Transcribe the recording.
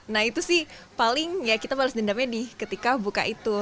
nah itu sih paling ya kita bales dendamnya di ketika buka itu